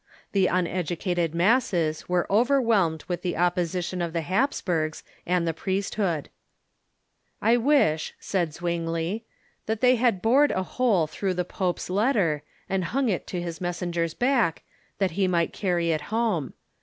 The uneducated masses were over whelmed with the oppression of the Hapsburgs and the priest hood. "I wish," said Zwingli, "that they had bored a hole through the pope's letter, and hung it to his messenger's back, that he might carry it home.